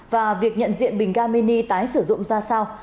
và việc nhận diện bình ga mini tái sử dụng ra sao